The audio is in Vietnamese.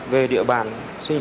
về địa bàn sinh